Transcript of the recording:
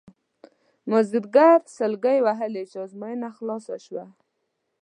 مازیګر سلګۍ وهلې چې ازموینه خلاصه شوه.